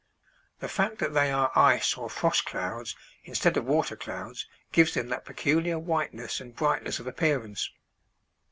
The fact that they are ice or frost clouds instead of water clouds gives them that peculiar whiteness and brightness of appearance.